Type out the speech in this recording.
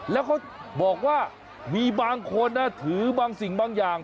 แล้วเขาบอกว่ามีบางคนนะถือบางสิ่งบางอย่าง